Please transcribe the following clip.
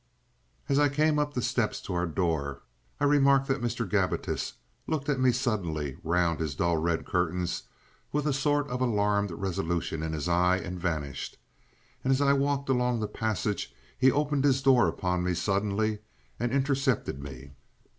As I came up the steps to our door, I remarked that Mr. Gabbitas looked at me suddenly round his dull red curtains with a sort of alarmed resolution in his eye and vanished, and as I walked along the passage he opened his door upon me suddenly and intercepted me.